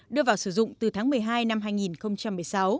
đưa vào sử dụng từ tháng một mươi hai năm hai nghìn một mươi sáu